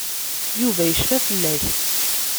Yuba yecfa fell-ak.